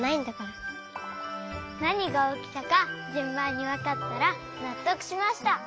なにがおきたかじゅんばんにわかったらなっとくしました。